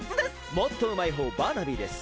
もっとうまいほうバーナビーです。